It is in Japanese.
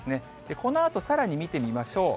このあとさらに見てみましょう。